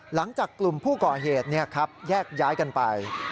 หลังจากกลุ่มผู้ก่อเหตุแยกย้ายกันไป